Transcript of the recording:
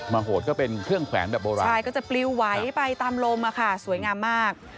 โหดก็เป็นเครื่องแขวนแบบโบราณใช่ก็จะปลิวไหวไปตามลมอะค่ะสวยงามมาก